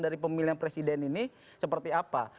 dari pemilihan presiden ini seperti apa